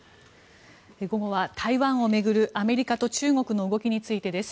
午後は台湾を巡るアメリカと中国の動きについてです。